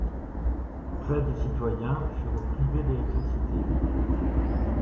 Près de citoyens furent privés d’électricité.